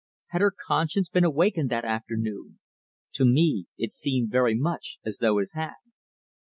Had her conscience been awakened that afternoon? To me it seemed very much as though it had.